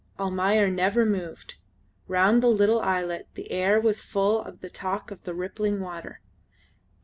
Almayer never moved. Round the little islet the air was full of the talk of the rippling water.